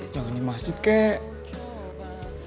jangan di masjid kek